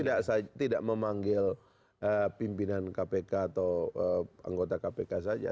tidak memanggil pimpinan kpk atau anggota kpk saja